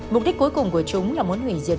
mục đích cuối cùng của chúng là muốn hủy diệt